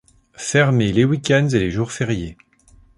Fermée les week-ends et jours fériés.